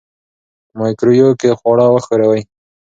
مایکروویو کې خواړه وښوروئ.